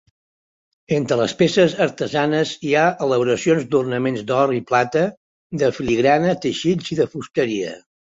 Entre les peces artesanes, hi ha elaboracions d'ornaments d'or i plata, de filigrana, teixits i de fusteria.